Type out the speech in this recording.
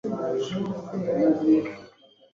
yari izwi nka ‘apartheid’,